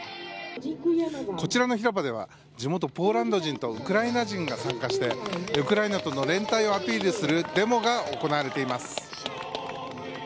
こちらの広場では地元・ポーランド人とウクライナ人が参加してウクライナとの連帯をアピールするデモが行われています。